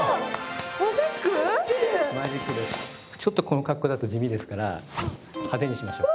ちょっとこの格好だと地味ですから派手にしましょう。